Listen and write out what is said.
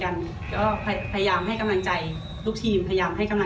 มันก็เลยมีกำลังใจแล้วก็ตัดออกไปได้เร็ว